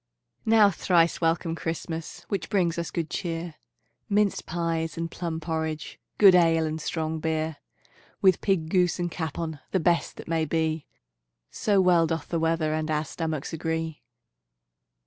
Now thrice welcome, Christmas, Which brings us good cheer, Minced pies and plum porridge, Good ale and strong beer; With pig, goose, and capon, The best that may be, So well doth the weather And our stomachs agree.